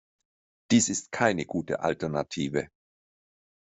Dies ist keine gute Alternative.